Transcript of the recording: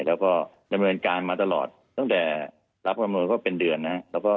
แล้วก็ดำเนินการมาตลอดตั้งแต่รับคำนวณก็เป็นเดือนนะครับ